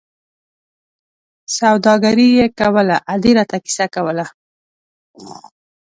سوداګري یې کوله، ادې را ته کیسه کوله.